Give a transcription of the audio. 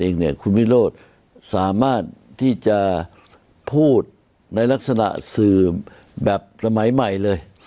เองเนี่ยคุณวิโรธสามารถที่จะพูดในลักษณะสื่อแบบสมัยใหม่เลย